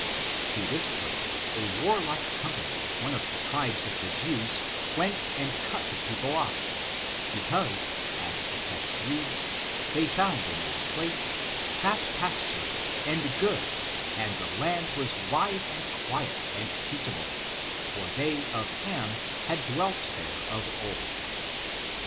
To this place a warlike company of one of the tribes of the Jews went and cut the people off, because, as the text reads, they found in that place "fat pasture and good, and the land was wide and quiet and peaceable, for they of Ham had dwelt there of old."